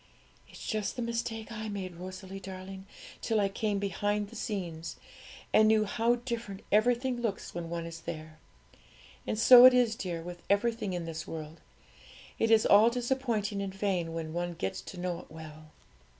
'It's just the mistake I made, Rosalie darling, till I came behind the scenes, and knew how different everything looks when one is there. And so it is, dear, with everything in this world; it is all disappointing and vain when one gets to know it well.'